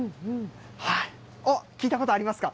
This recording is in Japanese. あっ、聞いたことありますか？